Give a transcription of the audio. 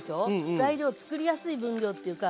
材料作りやすい分量っていうか